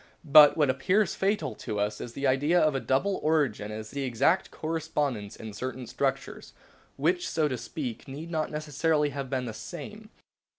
But what appears fatal to us to the idea of a double origin is the exact correspondence in certain structures, which, so to speak, need not necessarily have been the same.